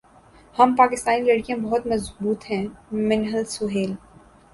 ہم پاکستانی لڑکیاں بہت مضبوط ہیں منہل سہیل